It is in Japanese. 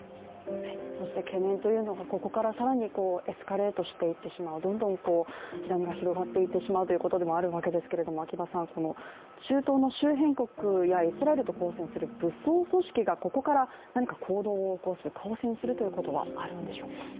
懸念というのがここから更にエスカレートしていってしまう、火種が広がっていってしまうということでもあるわけですけどもこの中東の周辺国とイスラエルと対する武装組織がここから何か行動を起こす、交戦するということはあるんでしょうか？